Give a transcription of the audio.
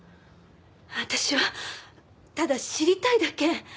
私はただ知りたいだけ。